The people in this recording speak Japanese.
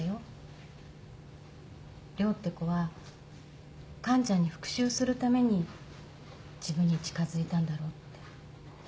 涼って子は完ちゃんに復讐するために自分に近づいたんだろうって。